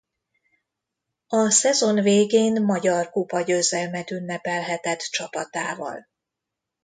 A szezon végén Magyar kupa győzelmet ünnepelhetett csapatával.